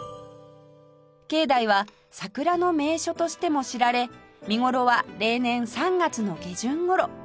境内は桜の名所としても知られ見頃は例年３月の下旬頃